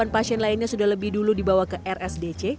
delapan pasien lainnya sudah lebih dulu dibawa ke rsdc